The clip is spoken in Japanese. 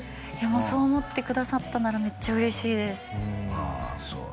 もうそう思ってくださったならめっちゃ嬉しいですあそう